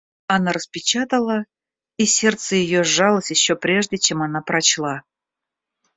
Она распечатала, и сердце ее сжалось еще прежде, чем она прочла.